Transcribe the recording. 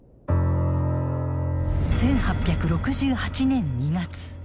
１８６８年２月。